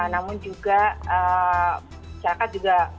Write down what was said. namun juga masyarakat juga